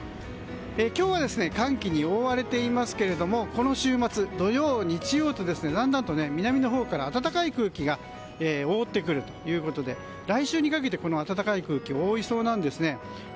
今日は寒気に覆われていますがこの週末土曜、日曜とだんだんと南のほうから暖かい空気が覆ってくるということで来週にかけて暖かい空気覆いそうなんですね。